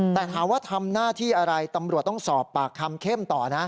แต่ถามว่าทำหน้าที่อะไรตำรวจต้องสอบปากคำเข้มต่อนะ